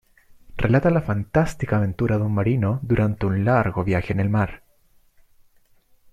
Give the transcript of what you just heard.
Relata la fantástica aventura de un marino durante un largo viaje en el mar.